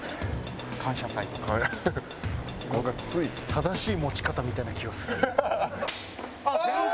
正しい持ち方みたいな気はする。